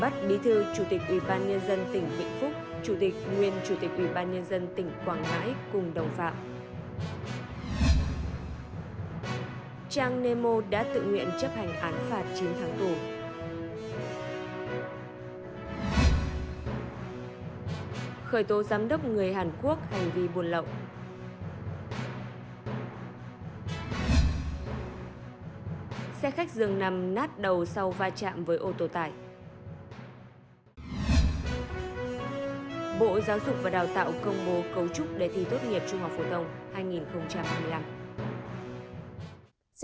các bạn hãy đăng ký kênh để ủng hộ kênh của chúng mình nhé